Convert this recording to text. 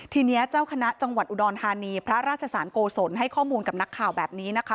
ทีนี้เจ้าคณะจังหวัดอุดรธานีพระราชสารโกศลให้ข้อมูลกับนักข่าวแบบนี้นะคะ